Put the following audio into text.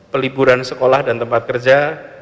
peliburan sekolah dan tempat kerja